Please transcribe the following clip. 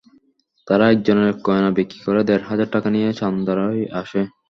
তারা একজনের গয়না বিক্রি করে দেড় হাজার টাকা নিয়ে চান্দরায় আসে।